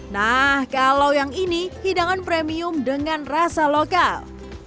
nah kalau yang ini hidangan premium dengan rasa lokal